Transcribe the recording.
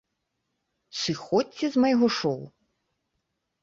Сыходзьце з майго шоў!